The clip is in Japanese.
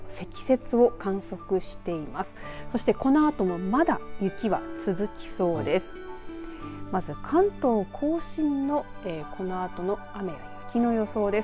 そしてこのあともまだ雪は続きそうです。